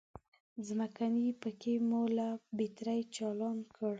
ځمکنی پکی مو له بترۍ چالان کړ.